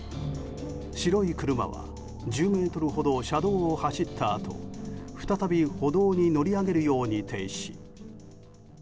白い車は１０ｍほど車道を走ったあと再び歩道に乗り上げるように停止。